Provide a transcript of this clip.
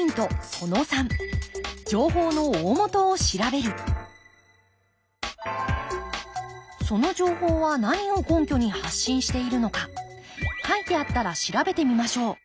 その３その情報は何を根拠に発信しているのか書いてあったら調べてみましょう。